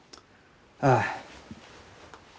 ああ。